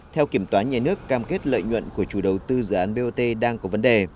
theo kiểm toán nhà nước cam kết lợi nhuận của chủ đầu tư dự án bot đang có vấn đề